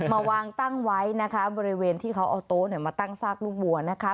มาวางตั้งไว้นะคะบริเวณที่เขาเอาโต๊ะเนี่ยมาตั้งซากลูกวัวนะคะ